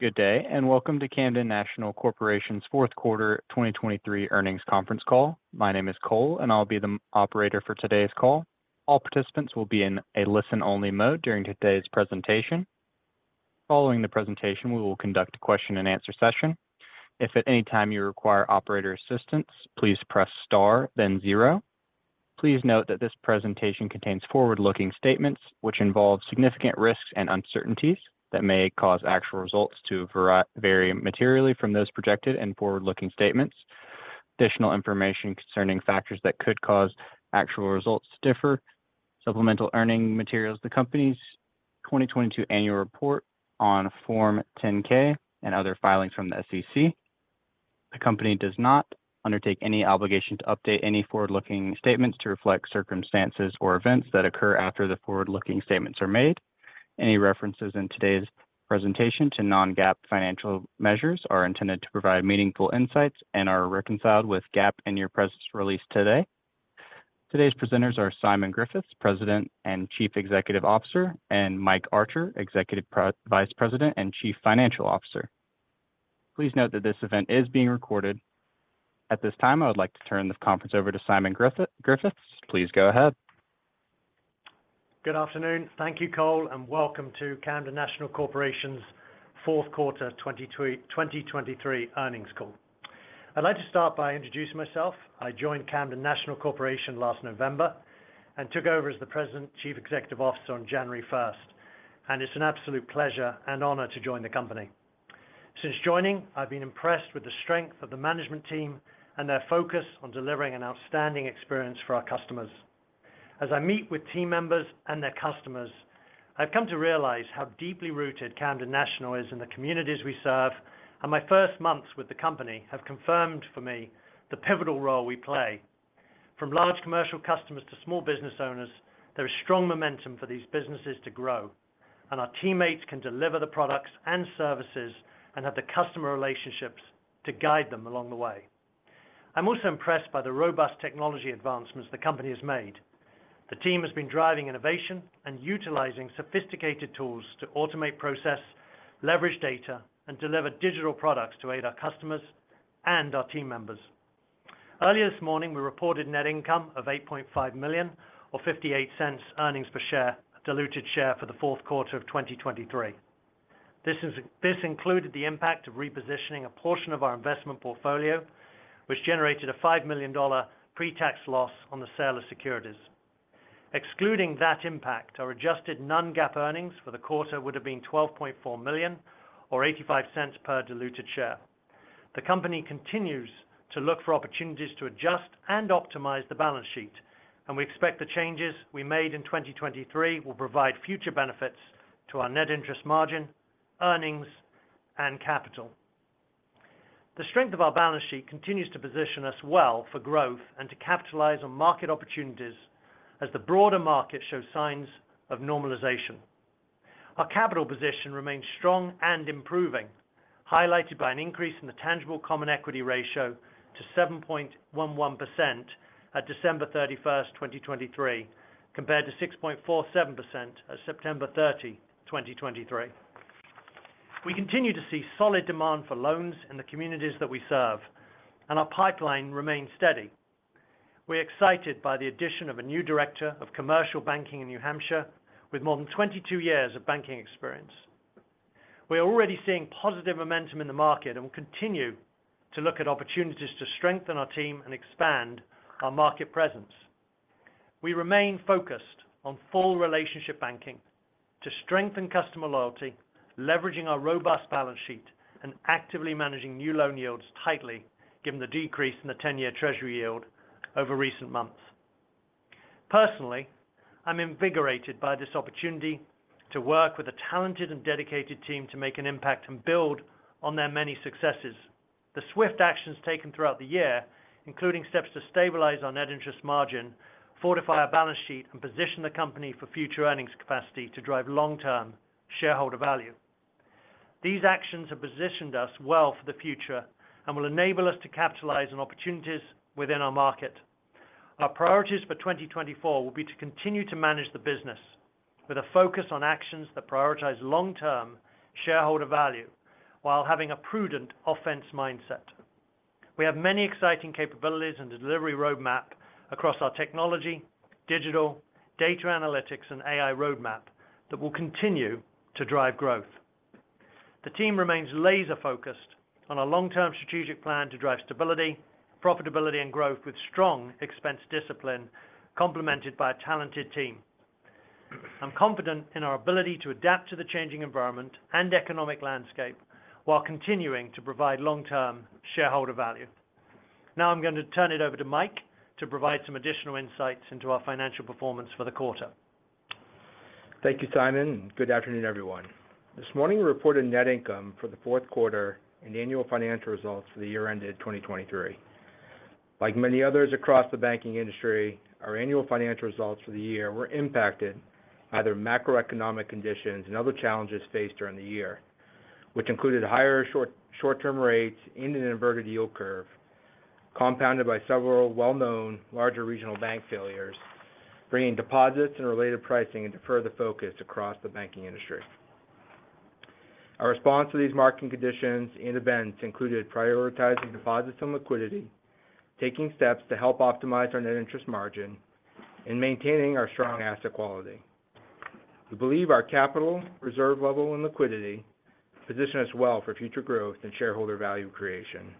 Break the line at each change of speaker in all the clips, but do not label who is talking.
Good day, and welcome to Camden National Corporation's fourth quarter 2023 earnings conference call. My name is Cole, and I'll be the operator for today's call. All participants will be in a listen-only mode during today's presentation. Following the presentation, we will conduct a question-and-answer session. If at any time you require operator assistance, please press star then zero. Please note that this presentation contains forward-looking statements which involve significant risks and uncertainties that may cause actual results to vary materially from those projected in forward-looking statements. Additional information concerning factors that could cause actual results to differ, supplemental earnings materials, the company's 2022 annual report on Form 10-K and other filings from the SEC. The company does not undertake any obligation to update any forward-looking statements to reflect circumstances or events that occur after the forward-looking statements are made. Any references in today's presentation to non-GAAP financial measures are intended to provide meaningful insights and are reconciled with GAAP in your press release today. Today's presenters are Simon Griffiths, President and Chief Executive Officer, and Mike Archer, Executive Vice President and Chief Financial Officer. Please note that this event is being recorded. At this time, I would like to turn this conference over to Simon Griffiths. Griffiths, please go ahead.
Good afternoon. Thank you, Cole, and welcome to Camden National Corporation's fourth quarter 2023 earnings call. I'd like to start by introducing myself. I joined Camden National Corporation last November and took over as the President and Chief Executive Officer on January first, and it's an absolute pleasure and honor to join the company. Since joining, I've been impressed with the strength of the management team and their focus on delivering an outstanding experience for our customers. As I meet with team members and their customers, I've come to realize how deeply rooted Camden National is in the communities we serve, and my first months with the company have confirmed for me the pivotal role we play. From large commercial customers to small business owners, there is strong momentum for these businesses to grow, and our teammates can deliver the products and services and have the customer relationships to guide them along the way. I'm also impressed by the robust technology advancements the company has made. The team has been driving innovation and utilizing sophisticated tools to automate process, leverage data, and deliver digital products to aid our customers and our team members. Earlier this morning, we reported net income of $8.5 million, or $0.58 earnings per share, diluted share for the fourth quarter of 2023. This included the impact of repositioning a portion of our investment portfolio, which generated a $5 million pre-tax loss on the sale of securities. Excluding that impact, our adjusted non-GAAP earnings for the quarter would have been $12.4 million, or $0.85 per diluted share. The company continues to look for opportunities to adjust and optimize the balance sheet, and we expect the changes we made in 2023 will provide future benefits to our net interest margin, earnings, and capital. The strength of our balance sheet continues to position us well for growth and to capitalize on market opportunities as the broader market shows signs of normalization. Our capital position remains strong and improving, highlighted by an increase in the tangible common equity ratio to 7.11% at December 31st, 2023, compared to 6.47% at September 30, 2023. We continue to see solid demand for loans in the communities that we serve, and our pipeline remains steady. We are excited by the addition of a new director of commercial banking in New Hampshire, with more than 22 years of banking experience. We are already seeing positive momentum in the market and will continue to look at opportunities to strengthen our team and expand our market presence. We remain focused on full relationship banking to strengthen customer loyalty, leveraging our robust balance sheet and actively managing new loan yields tightly, given the decrease in the 10-year Treasury yield over recent months. Personally, I'm invigorated by this opportunity to work with a talented and dedicated team to make an impact and build on their many successes. The swift actions taken throughout the year, including steps to stabilize our net interest margin, fortify our balance sheet, and position the company for future earnings capacity to drive long-term shareholder value. These actions have positioned us well for the future and will enable us to capitalize on opportunities within our market. Our priorities for 2024 will be to continue to manage the business with a focus on actions that prioritize long-term shareholder value while having a prudent offense mindset. We have many exciting capabilities and delivery roadmap across our technology, digital, data analytics, and AI roadmap that will continue to drive growth. The team remains laser-focused on a long-term strategic plan to drive stability, profitability, and growth with strong expense discipline, complemented by a talented team. I'm confident in our ability to adapt to the changing environment and economic landscape while continuing to provide long-term shareholder value. Now I'm going to turn it over to Mike to provide some additional insights into our financial performance for the quarter.
Thank you, Simon, and good afternoon, everyone. This morning, we reported net income for the fourth quarter and the annual financial results for the year ended 2023. Like many others across the banking industry, our annual financial results for the year were impacted by the macroeconomic conditions and other challenges faced during the year, which included higher short-term rates and an inverted yield curve compounded by several well-known larger regional bank failures, bringing deposits and related pricing into further focus across the banking industry. Our response to these market conditions and events included prioritizing deposits and liquidity, taking steps to help optimize our net interest margin, and maintaining our strong asset quality. We believe our capital reserve level and liquidity position us well for future growth and shareholder value creation.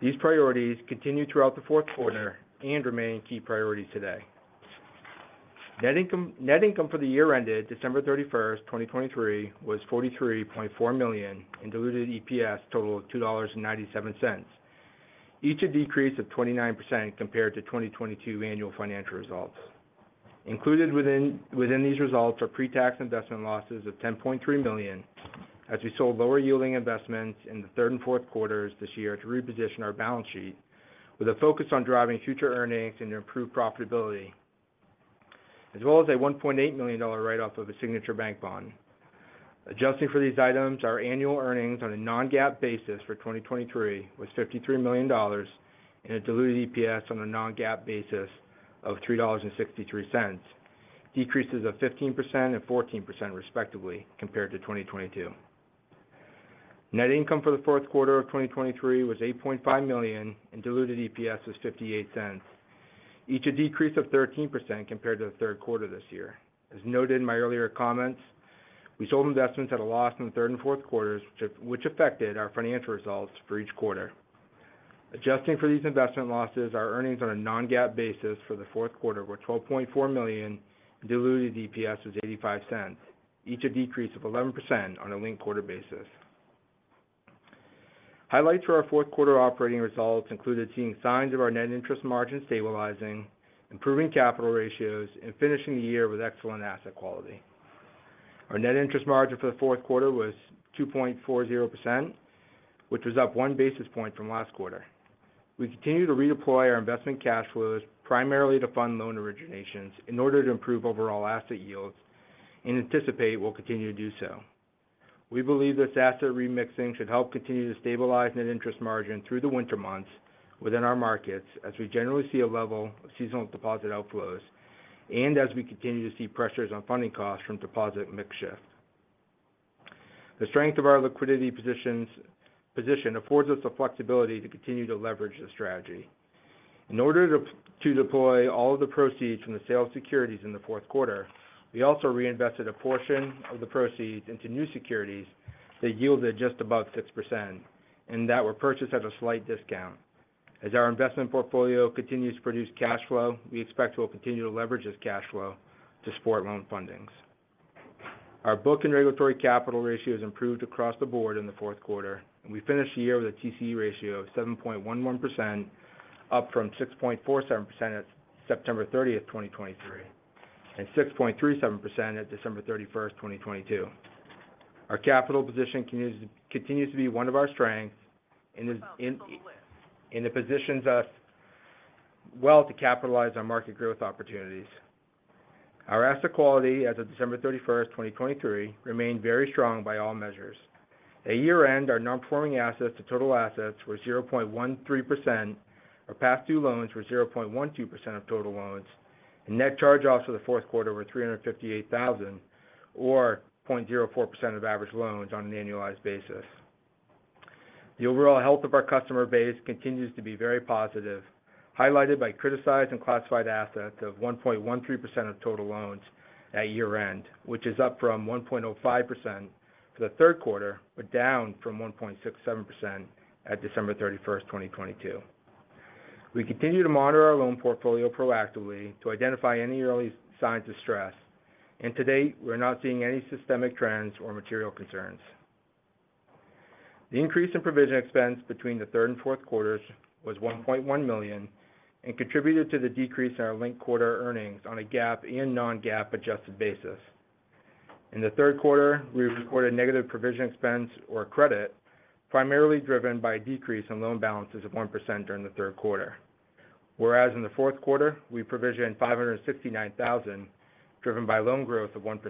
These priorities continued throughout the fourth quarter and remain key priorities today. Net income, net income for the year ended December 31st, 2023, was $43.4 million, and diluted EPS totaled $2.97. Each a decrease of 29% compared to 2022 annual financial results. Included within these results are pre-tax investment losses of $10.3 million, as we sold lower yielding investments in the third and fourth quarters this year to reposition our balance sheet, with a focus on driving future earnings and improved profitability, as well as a $1.8 million write-off of a Signature Bank bond. Adjusting for these items, our annual earnings on a non-GAAP basis for 2023 was $53 million and a diluted EPS on a non-GAAP basis of $3.63. Decreases of 15% and 14% respectively, compared to 2022. Net income for the fourth quarter of 2023 was $8.5 million, and diluted EPS was $0.58. Each a decrease of 13% compared to the third quarter this year. As noted in my earlier comments, we sold investments at a loss in the third and fourth quarters, which affected our financial results for each quarter. Adjusting for these investment losses, our earnings on a non-GAAP basis for the fourth quarter were $12.4 million, and diluted EPS was $0.85, each a decrease of 11% on a linked quarter basis. Highlights for our fourth quarter operating results included seeing signs of our net interest margin stabilizing, improving capital ratios, and finishing the year with excellent asset quality. Our net interest margin for the fourth quarter was 2.40%, which was up 1 basis point from last quarter. We continue to redeploy our investment cash flows primarily to fund loan originations in order to improve overall asset yields, and anticipate we'll continue to do so. We believe this asset remixing should help continue to stabilize net interest margin through the winter months within our markets, as we generally see a level of seasonal deposit outflows and as we continue to see pressures on funding costs from deposit mix shift. The strength of our liquidity position affords us the flexibility to continue to leverage this strategy. In order to deploy all the proceeds from the sale of securities in the fourth quarter, we also reinvested a portion of the proceeds into new securities that yielded just above 6% and that were purchased at a slight discount. As our investment portfolio continues to produce cash flow, we expect we'll continue to leverage this cash flow to support loan fundings. Our book and regulatory capital ratio has improved across the board in the fourth quarter, and we finished the year with a TCE ratio of 7.11%, up from 6.47% at September 30th, 2023, and 6.37% at December 31st, 2022. Our capital position continues to be one of our strengths, and it positions us well to capitalize on market growth opportunities. Our asset quality as of December 31st, 2023, remained very strong by all measures. At year-end, our non-performing assets to total assets were 0.13%, our past due loans were 0.12% of total loans, and net charge-offs for the fourth quarter were $358,000 or 0.04% of average loans on an annualized basis. The overall health of our customer base continues to be very positive, highlighted by criticized and classified assets of 1.13% of total loans at year-end, which is up from 1.05% for the third quarter, but down from 1.67% at December 31st, 2022. We continue to monitor our loan portfolio proactively to identify any early signs of stress, and to date, we're not seeing any systemic trends or material concerns. The increase in provision expense between the third and fourth quarters was $1.1 million and contributed to the decrease in our linked quarter earnings on a GAAP and non-GAAP adjusted basis. In the third quarter, we reported negative provision expense or credit, primarily driven by a decrease in loan balances of 1% during the third quarter. Whereas in the fourth quarter, we provisioned $569,000, driven by loan growth of 1%.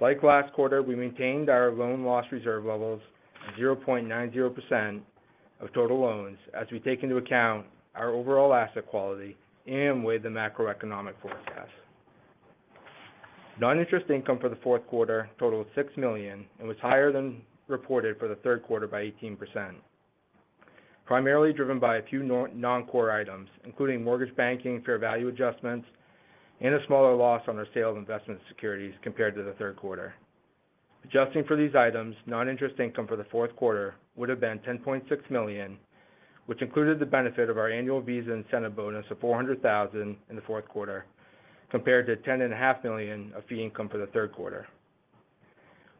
Like last quarter, we maintained our loan loss reserve levels at 0.90% of total loans, as we take into account our overall asset quality and weigh the macroeconomic forecast. Non-interest income for the fourth quarter totaled $6 million and was higher than reported for the third quarter by 18%, primarily driven by a few non-core items, including mortgage banking, fair value adjustments, and a smaller loss on our sale of investment securities compared to the third quarter. Adjusting for these items, non-interest income for the fourth quarter would have been $10.6 million, which included the benefit of our annual Visa incentive bonus of $400,000 in the fourth quarter, compared to $10.5 million of fee income for the third quarter.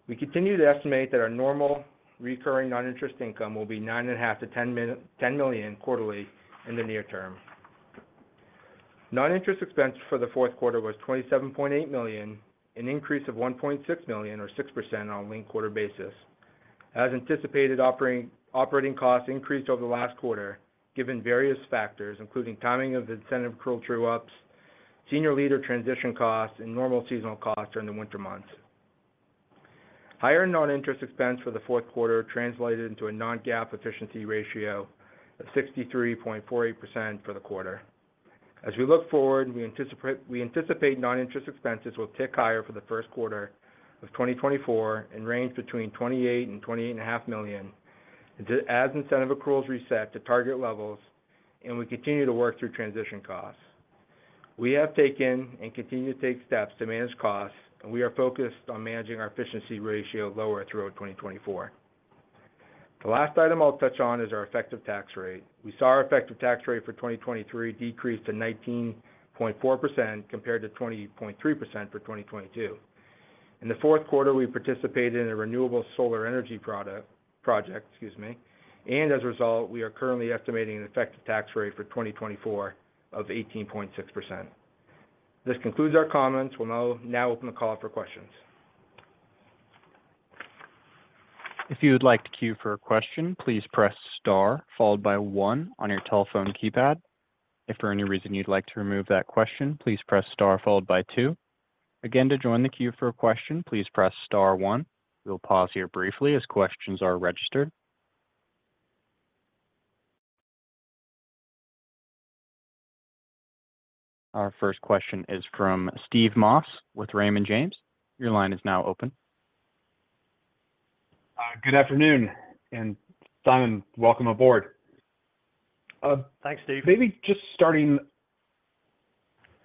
We continue to estimate that our normal recurring non-interest income will be $9.5 million-$10 million quarterly in the near term. Non-interest expense for the fourth quarter was $27.8 million, an increase of $1.6 million, or 6% on a linked quarter basis. As anticipated, operating costs increased over the last quarter, given various factors, including timing of incentive accrual true-ups, senior leader transition costs, and normal seasonal costs during the winter months. Higher non-interest expense for the fourth quarter translated into a non-GAAP efficiency ratio of 63.48% for the quarter. As we look forward, we anticipate, we anticipate non-interest expenses will tick higher for the first quarter of 2024 and range between $28 million and $28.5 million, as incentive accruals reset to target levels, and we continue to work through transition costs. We have taken and continue to take steps to manage costs, and we are focused on managing our efficiency ratio lower throughout 2024. The last item I'll touch on is our effective tax rate. We saw our effective tax rate for 2023 decrease to 19.4%, compared to 20.3% for 2022. In the fourth quarter, we participated in a renewable solar energy project, excuse me, and as a result, we are currently estimating an effective tax rate for 2024 of 18.6%. This concludes our comments. We'll now open the call up for questions.
If you would like to queue for a question, please press star, followed by one on your telephone keypad. If for any reason you'd like to remove that question, please press star followed by two. Again, to join the queue for a question, please press star one. We'll pause here briefly as questions are registered. Our first question is from Steve Moss with Raymond James. Your line is now open.
Good afternoon, and Simon, welcome aboard.
Thanks, Steve.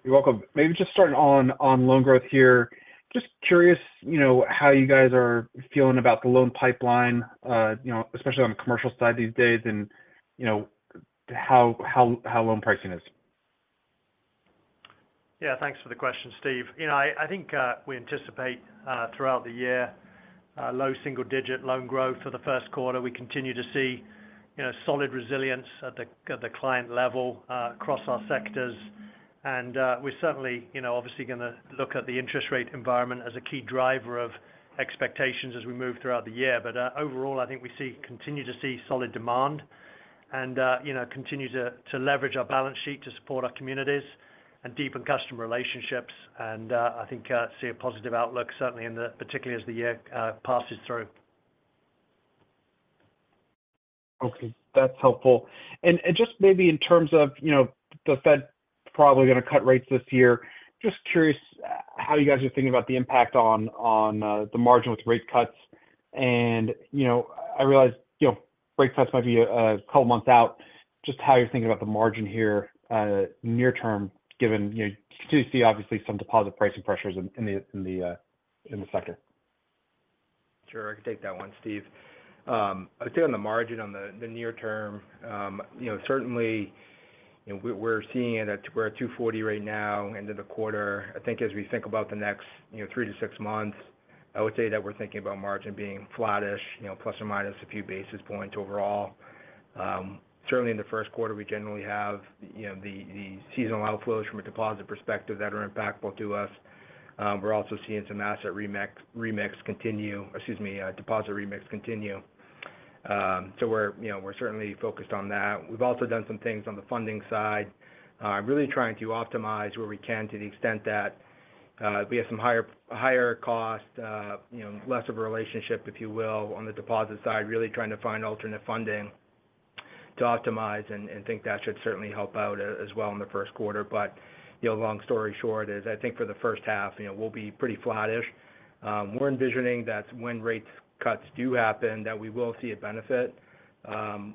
You're welcome. Maybe just starting on loan growth here. Just curious, you know, how you guys are feeling about the loan pipeline, you know, especially on the commercial side these days, and you know, how loan pricing is.
Yeah, thanks for the question, Steve. You know, I think we anticipate throughout the year low single-digit loan growth for the first quarter. We continue to see, you know, solid resilience at the client level across our sectors. And we're certainly, you know, obviously gonna look at the interest rate environment as a key driver of expectations as we move throughout the year. But overall, I think we see continue to see solid demand and, you know, continue to leverage our balance sheet to support our communities and deepen customer relationships, and I think see a positive outlook, certainly in the particularly as the year passes through.
Okay, that's helpful. And just maybe in terms of, you know, the Fed probably gonna cut rates this year. Just curious, how you guys are thinking about the impact on the margin with rate cuts. And, you know, I realize, you know, rate cuts might be a couple of months out, just how you're thinking about the margin here, near term, given, you know, do you see obviously some deposit pricing pressures in the sector?
Sure, I can take that one, Steve. I'd say on the margin on the near term, you know, certainly, you know, we're, we're seeing it at— we're at 2.40 right now, end of the quarter. I think as we think about the next, you know, three to six months, I would say that we're thinking about margin being flattish, you know, plus or minus a few basis points overall. Certainly in the first quarter, we generally have, you know, the seasonal outflows from a deposit perspective that are impactful to us. We're also seeing some asset remix, remix continue— excuse me, deposit remix continue. So we're, you know, we're certainly focused on that. We've also done some things on the funding side. Really trying to optimize where we can to the extent that we have some higher, higher cost, you know, less of a relationship, if you will, on the deposit side, really trying to find alternate funding to optimize and think that should certainly help out as well in the first quarter. But, you know, long story short is, I think for the first half, you know, we'll be pretty flattish. We're envisioning that when rates cuts do happen, that we will see a benefit.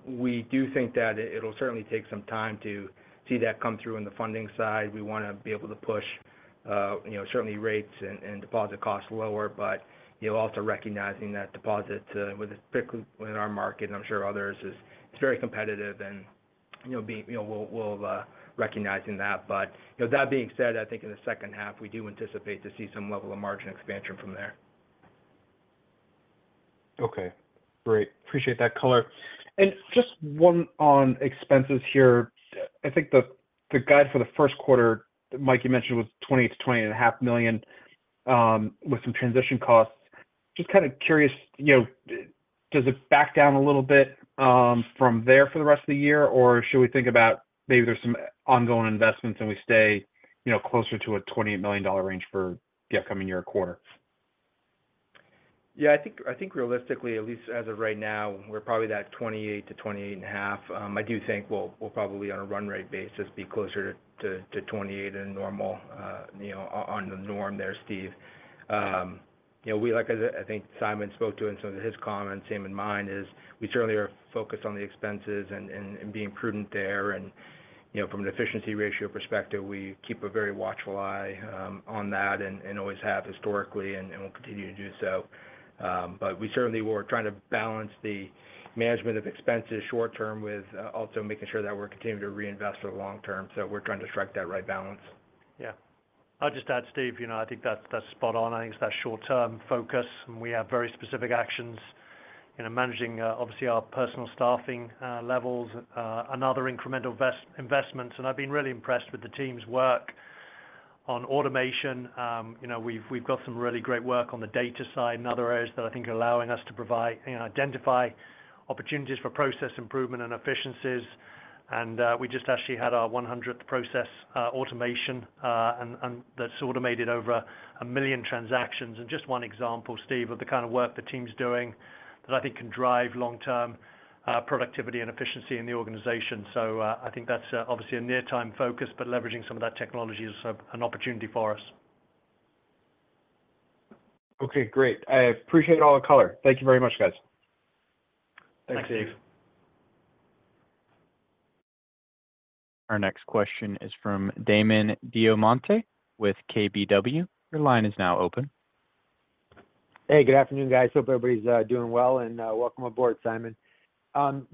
We do think that it, it'll certainly take some time to see that come through on the funding side. We want to be able to push, you know, certainly rates and deposit costs lower, but, you know, also recognizing that deposits, particularly in our market, and I'm sure others, it's very competitive and, you know, we'll recognize that. But, you know, that being said, I think in the second half, we do anticipate to see some level of margin expansion from there.
Okay, great. Appreciate that color. And just one on expenses here. I think the guide for the first quarter, Mike, you mentioned, was $28 million-$28.5 million with some transition costs. Just kind of curious, you know, does it back down a little bit from there for the rest of the year? Or should we think about maybe there's some ongoing investments, and we stay, you know, closer to a $28 million range for the upcoming year quarter?
Yeah, I think realistically, at least as of right now, we're probably at 28%-28.5%. I do think we'll probably on a run rate basis be closer to 28% normal, you know, on the norm there, Steve. You know, we like, as I think Simon spoke to in some of his comments, keep in mind, we certainly are focused on the expenses and being prudent there. And, you know, from an efficiency ratio perspective, we keep a very watchful eye on that and always have historically, and we'll continue to do so. But we're trying to balance the management of expenses short term with also making sure that we're continuing to reinvest for the long term. So we're trying to strike that right balance.
Yeah. I'll just add, Steve, you know, I think that's, that's spot on. I think it's that short-term focus, and we have very specific actions, you know, managing, obviously, our personnel staffing levels, and other incremental investments. And I've been really impressed with the team's work on automation. You know, we've got some really great work on the data side and other areas that I think are allowing us to provide, you know, identify opportunities for process improvement and efficiencies. And we just actually had our 100th process automation, and that's automated over 1 million transactions. And just one example, Steve, of the kind of work the team's doing that I think can drive long-term productivity and efficiency in the organization. So, I think that's obviously a near-term focus, but leveraging some of that technology is an opportunity for us.
Okay, great. I appreciate all the color. Thank you very much, guys.
Thanks, Steve.
Our next question is from Damon DelMonte with KBW. Your line is now open.
Hey, good afternoon, guys. Hope everybody's doing well, and welcome aboard, Simon.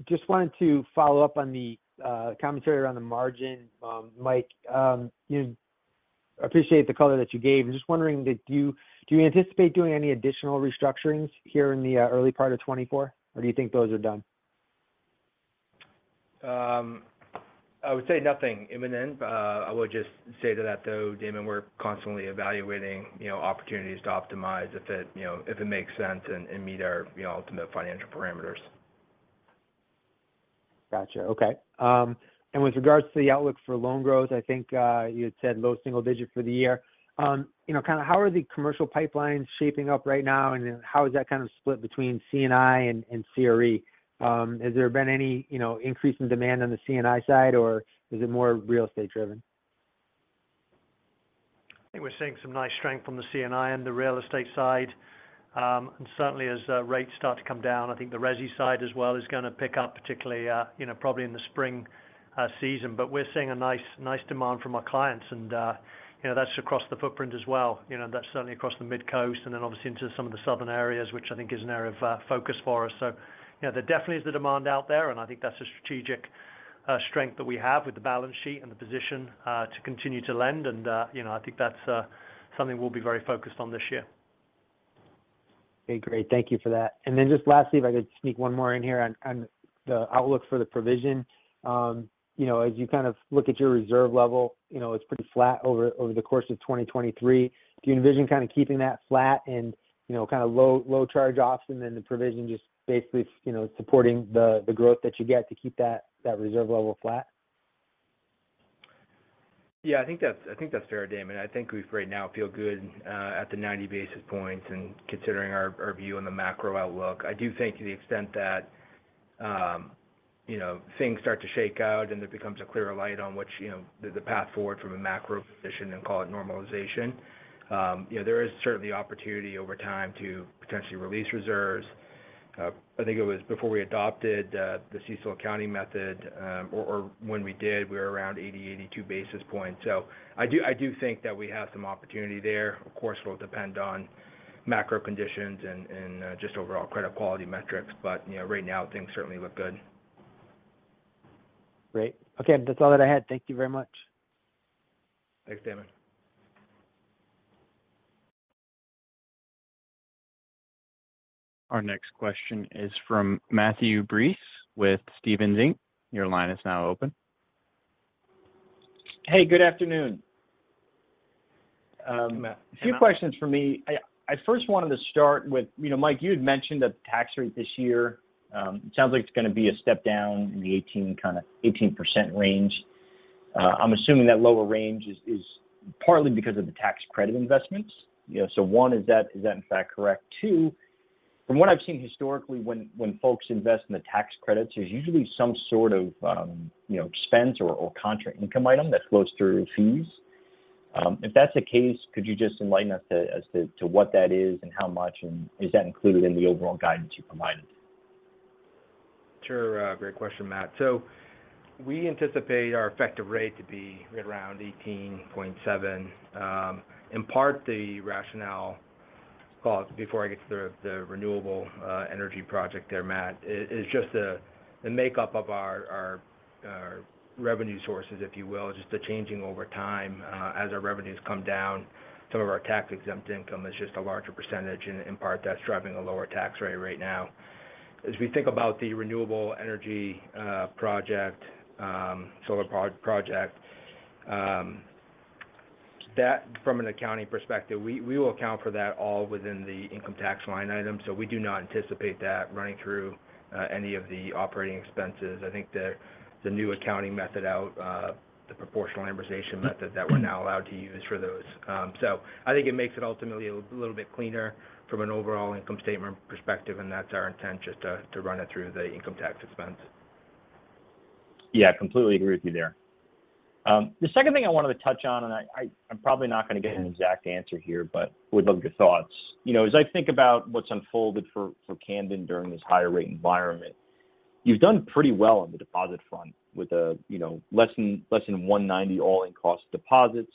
Just wanted to follow up on the commentary around the margin. Mike, appreciate the color that you gave. Just wondering, do you anticipate doing any additional restructurings here in the early part of 2024, or do you think those are done?
I would say nothing imminent. I would just say to that, though, Damon, we're constantly evaluating, you know, opportunities to optimize if it, you know, makes sense and meet our, you know, ultimate financial parameters.
Gotcha. Okay. With regards to the outlook for loan growth, I think you had said low single digit for the year. You know, kind of how are the commercial pipelines shaping up right now, and then how is that kind of split between C&I and CRE? Has there been any, you know, increase in demand on the C&I side, or is it more real estate driven?
I think we're seeing some nice strength from the C&I and the real estate side. And certainly as rates start to come down, I think the resi side as well is gonna pick up, particularly, you know, probably in the spring, season. But we're seeing a nice, nice demand from our clients, and, you know, that's across the footprint as well. You know, that's certainly across the Midcoast and then obviously into some of the southern areas, which I think is an area of, focus for us. So, you know, there definitely is the demand out there, and I think that's a strategic, strength that we have with the balance sheet and the position, to continue to lend. And, you know, I think that's, something we'll be very focused on this year.
Okay, great. Thank you for that. And then just lastly, if I could sneak one more in here on, on the outlook for the provision. You know, as you kind of look at your reserve level, you know, it's pretty flat over, over the course of 2023. Do you envision kind of keeping that flat and, you know, kind of low, low charge-offs and then the provision just basically, you know, supporting the, the growth that you get to keep that, that reserve level flat?
Yeah, I think that's fair, Damon. I think we right now feel good at the 90 basis points and considering our view on the macro outlook. I do think to the extent that you know, things start to shake out, and it becomes a clearer light on which you know, the path forward from a macro position, and call it normalization, you know, there is certainly opportunity over time to potentially release reserves. I think it was before we adopted the CECL accounting method, or when we did, we were around 80, 82 basis points. So I do think that we have some opportunity there. Of course, it will depend on macro conditions and just overall credit quality metrics, but you know, right now, things certainly look good.
Great. Okay, that's all that I had. Thank you very much.
Thanks, Damon.
Our next question is from Matthew Breese with Stephens Inc. Your line is now open.
Hey, good afternoon.
Matt-
A few questions for me. I first wanted to start with. You know, Mike, you had mentioned that the tax rate this year, it sounds like it's gonna be a step down in the 18%, kind of 18% range. I'm assuming that lower range is partly because of the tax credit investments. You know, so one, is that in fact correct? Two, from what I've seen historically, when folks invest in the tax credits, there's usually some sort of, you know, expense or contra income item that flows through fees. If that's the case, could you just enlighten us as to what that is and how much, and is that included in the overall guidance you provided?
Sure. Great question, Matt. So we anticipate our effective rate to be right around 18.7%. In part, the rationale, well, before I get to the renewable energy project there, Matt, is just the makeup of our revenue sources, if you will, just the changing over time. As our revenues come down, some of our tax-exempt income is just a larger percentage, and in part, that's driving a lower tax rate right now. As we think about the renewable energy project, solar project, that from an accounting perspective, we will account for that all within the income tax line item. So we do not anticipate that running through any of the operating expenses. I think the new accounting method out, the proportional amortization method that we're now allowed to use for those. So, I think it makes it ultimately a little bit cleaner from an overall income statement perspective, and that's our intention, to run it through the income tax expense.
Yeah, completely agree with you there. The second thing I wanted to touch on, and I'm probably not gonna get an exact answer here, but would love your thoughts. You know, as I think about what's unfolded for Camden during this higher rate environment, you've done pretty well on the deposit front with a, you know, less than 1.90 all-in cost deposits.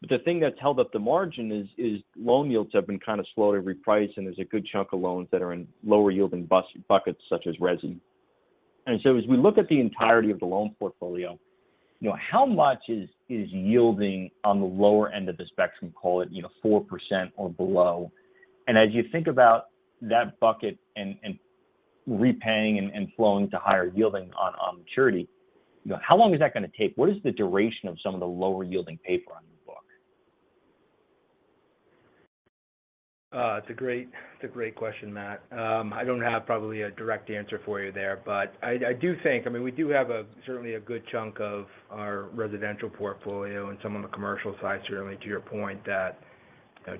But the thing that's held up the margin is loan yields have been kind of slow to reprice, and there's a good chunk of loans that are in lower-yielding bus- buckets, such as resi. And so as we look at the entirety of the loan portfolio, you know, how much is yielding on the lower end of the spectrum, call it, you know, 4% or below? As you think about that bucket and repaying and flowing to higher yielding on maturity, you know, how long is that gonna take? What is the duration of some of the lower-yielding paper?
It's a great, it's a great question, Matt. I don't have probably a direct answer for you there, but I do think, I mean, we do have certainly a good chunk of our residential portfolio and some on the commercial side, certainly, to your point, that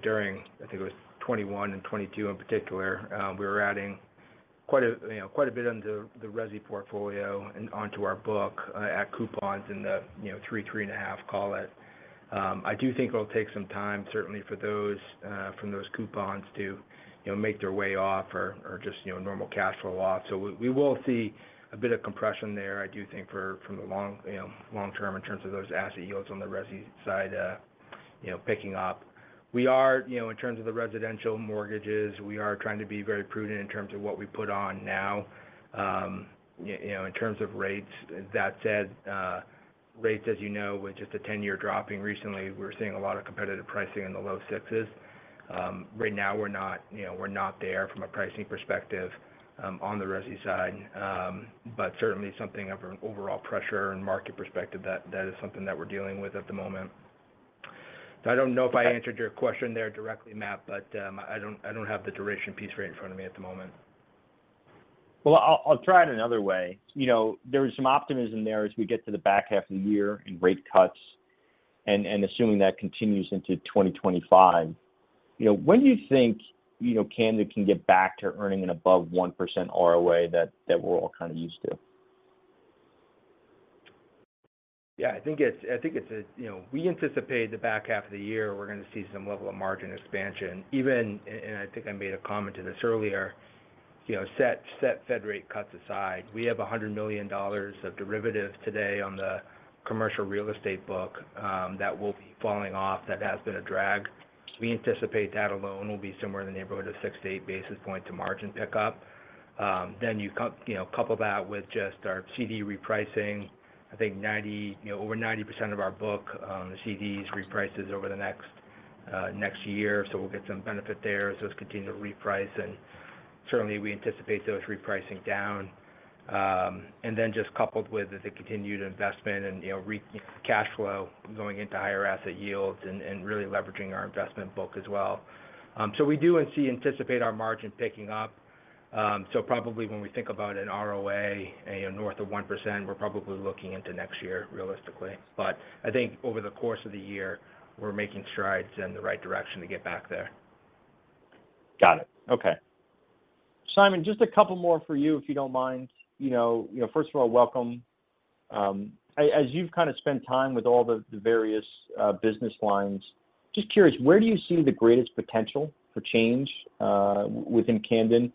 during, I think it was 2021 and 2022 in particular, we were adding quite a, you know, quite a bit onto the resi portfolio and onto our book, at coupons in the, you know, 3-3.5, call it. I do think it'll take some time, certainly for those from those coupons to, you know, make their way off or just, you know, normal cash flow off. So we will see a bit of compression there, I do think, from the long, you know, long term in terms of those asset yields on the resi side, you know, picking up. We are, you know, in terms of the residential mortgages, we are trying to be very prudent in terms of what we put on now, you know, in terms of rates. That said, rates, as you know, with just a 10-year dropping recently, we're seeing a lot of competitive pricing in the low sixes. Right now, we're not, you know, we're not there from a pricing perspective, on the resi side. But certainly something of an overall pressure and market perspective, that is something that we're dealing with at the moment. I don't know if I answered your question there directly, Matt, but I don't have the duration piece right in front of me at the moment.
Well, I'll try it another way. You know, there is some optimism there as we get to the back half of the year and rate cuts, and assuming that continues into 2025, you know, when do you think, you know, Camden can get back to earning an above 1% ROA that we're all kind of used to?
Yeah, I think it's. I think it's. You know, we anticipate the back half of the year, we're going to see some level of margin expansion. Even, and, and I think I made a comment to this earlier, you know, set Fed rate cuts aside. We have $100 million of derivatives today on the commercial real estate book that will be falling off. That has been a drag. We anticipate that alone will be somewhere in the neighborhood of 6-8 basis points to margin pickup. Then you know, couple that with just our CD repricing. I think ninety, you know, over 90% of our book, the CDs reprices over the next year, so we'll get some benefit there as those continue to reprice, and certainly, we anticipate those repricing down. Then just coupled with the continued investment and, you know, re-cash flow going into higher asset yields and, and really leveraging our investment book as well. So we do anticipate our margin picking up. So probably when we think about an ROA, you know, north of 1%, we're probably looking into next year, realistically. But I think over the course of the year, we're making strides in the right direction to get back there.
Got it. Okay. Simon, just a couple more for you, if you don't mind. You know, you know, first of all, welcome. As you've kind of spent time with all the various business lines, just curious, where do you see the greatest potential for change within Camden?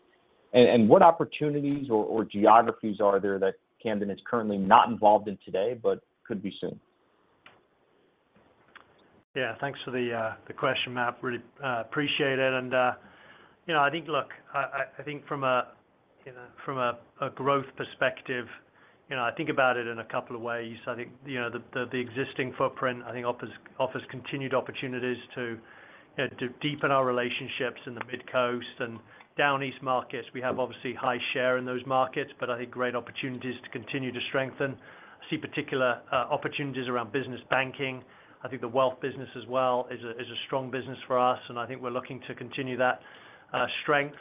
And what opportunities or geographies are there that Camden is currently not involved in today, but could be soon?
Yeah, thanks for the question, Matt. Really, appreciate it. You know, I think... Look, I think from a growth perspective, you know, I think about it in a couple of ways. I think, you know, the existing footprint offers continued opportunities to deepen our relationships in the Mid-Coast and Downeast markets. We have obviously high share in those markets, but I think great opportunities to continue to strengthen. I see particular opportunities around business banking. I think the wealth business as well is a strong business for us, and I think we're looking to continue that strength.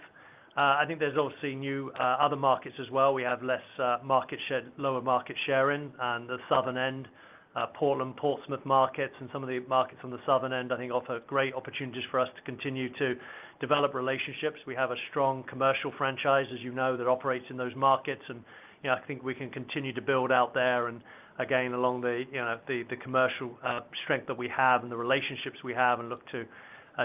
I think there's obviously new other markets as well. We have less market share, lower market share in and the southern end, Portland, Portsmouth markets and some of the markets on the southern end, I think offer great opportunities for us to continue to develop relationships. We have a strong commercial franchise, as you know, that operates in those markets, and, you know, I think we can continue to build out there. And again, along the, you know, the, the commercial strength that we have and the relationships we have and look to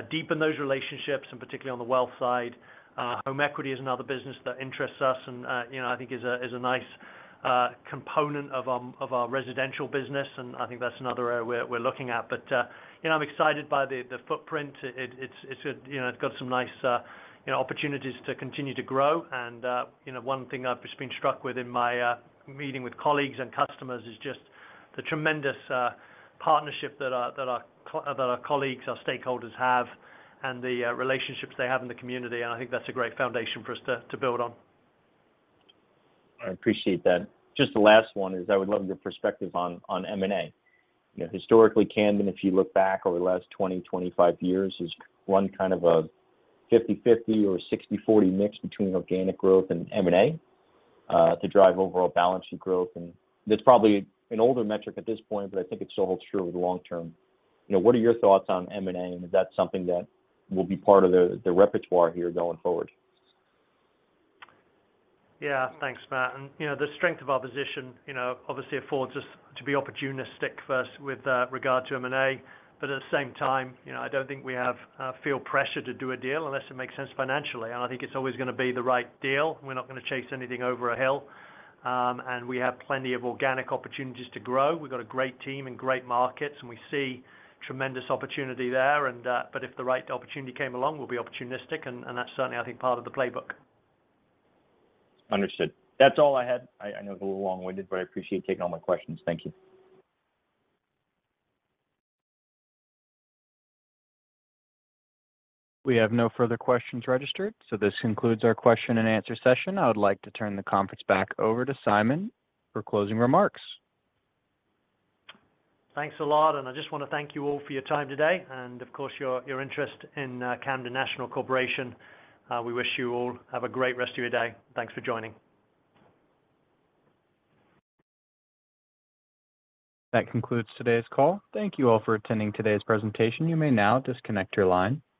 deepen those relationships, and particularly on the wealth side. Home equity is another business that interests us and, you know, I think is a, is a nice component of our, of our residential business, and I think that's another area we're, we're looking at. But, you know, I'm excited by the footprint. It's, you know, it's got some nice, you know, opportunities to continue to grow. And, you know, one thing I've just been struck with in my meeting with colleagues and customers is just the tremendous partnership that our colleagues, our stakeholders have, and the relationships they have in the community. And I think that's a great foundation for us to build on.
I appreciate that. Just the last one is, I would love your perspective on M&A. You know, historically, Camden, if you look back over the last 20-25 years, is one kind of a 50/50 or 60/40 mix between organic growth and M&A to drive overall balanced growth. And that's probably an older metric at this point, but I think it still holds true over the long term. You know, what are your thoughts on M&A, and is that something that will be part of the repertoire here going forward?
Yeah. Thanks, Matt. And, you know, the strength of our position, you know, obviously affords us to be opportunistic first with regard to M&A, but at the same time, you know, I don't think we have feel pressure to do a deal unless it makes sense financially. And I think it's always going to be the right deal. We're not going to chase anything over a hill. And we have plenty of organic opportunities to grow. We've got a great team and great markets, and we see tremendous opportunity there. And but if the right opportunity came along, we'll be opportunistic, and that's certainly, I think, part of the playbook.
Understood. That's all I had. I know it's a little long-winded, but I appreciate you taking all my questions. Thank you.
We have no further questions registered, so this concludes our question and answer session. I would like to turn the conference back over to Simon for closing remarks.
Thanks a lot, and I just want to thank you all for your time today and, of course, your, your interest in Camden National Corporation. We wish you all have a great rest of your day. Thanks for joining.
That concludes today's call. Thank you all for attending today's presentation. You may now disconnect your line.